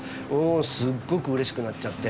すっごくうれしくなっちゃって。